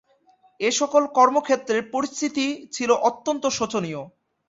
এসকল কর্মক্ষেত্রের পরিস্থিতি ছিল অত্যন্ত শোচনীয়।